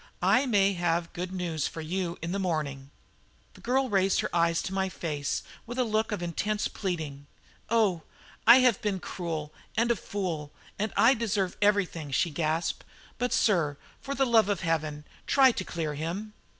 I may have good news for you in the morning." The girl raised her eyes to my face with a look of intense pleading. "Oh, I have been cruel and a fool, and I deserve everything," she gasped; "but, sir, for the love of Heaven, try to clear him."